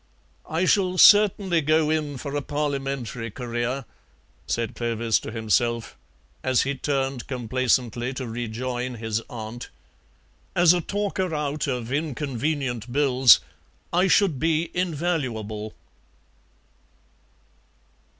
"I shall certainly go in for a Parliamentary career," said Clovis to himself as he turned complacently to rejoin his aunt. "As a talker out of inconvenient bills I should be invaluable."